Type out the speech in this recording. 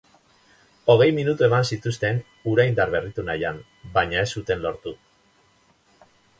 Hogei minutu eman zituzten hura indarberritu nahian baina ez zuten lortu.